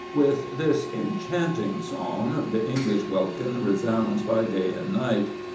With this enchanting song the English welkin resounds by day and night.